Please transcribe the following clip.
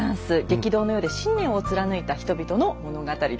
激動の世で信念を貫いた人々の物語です。